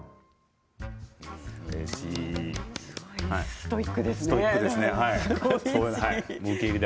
ストイックですね。